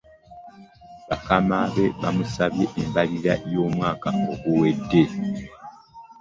Bakamabe bamusabye embalirira y'omwaka oguwedde.